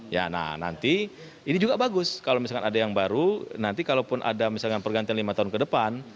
ya nah nanti ini juga bagus kalau misalkan ada yang baru nanti kalaupun ada misalkan pergantian lima tahun ke depan